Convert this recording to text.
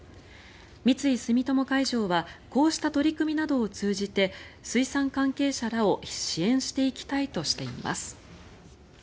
三井住友海上はこうした取り組みなどを通じて水産関係者らを支援していきたいとしています。